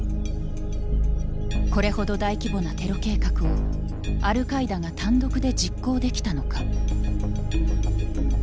これほど大規模なテロ計画をアルカイダが単独で実行できたのか。